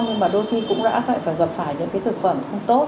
nhưng mà đôi khi cũng đã phải gặp phải những cái thực phẩm không tốt